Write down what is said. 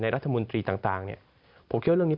รัฐมนตรีต่างเนี่ยผมคิดว่าเรื่องนี้